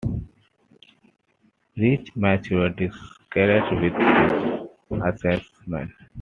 Ruiz Mateos disagreed with this assessment.